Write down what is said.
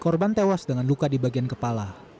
korban tewas dengan luka di bagian kepala